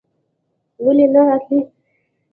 ولې نه راتلې?